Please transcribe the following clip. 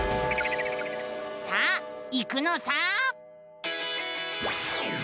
さあ行くのさ！